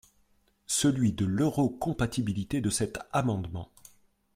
…celui de l’euro-compatibilité de cet amendement.